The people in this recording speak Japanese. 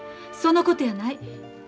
そのことやない。